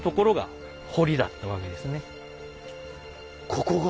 ここが？